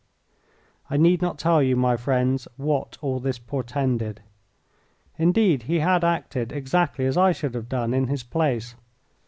I need not tell you, my friends, what all this portended. Indeed, he had acted exactly as I should have done in his place.